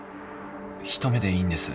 一目でいいんです。